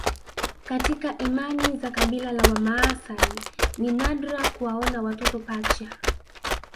Katika imani za kabila la Wamaasai ni nadra kuwaona watoto pacha